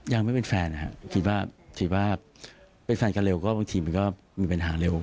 ยังไม่เป็นแฟนนะครับคิดว่าคิดว่าเป็นแฟนกันเร็วก็บางทีมันก็มีปัญหาเร็ว